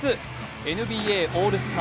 ＮＢＡオールスター